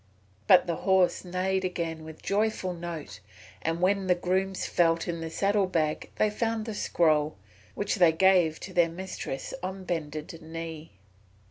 But the horse neighed again with a joyful note, and when the grooms felt in the saddle bag they found the scroll which they gave to their mistress on bended knee.